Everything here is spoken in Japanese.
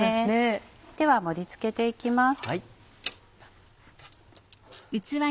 では盛り付けていきます。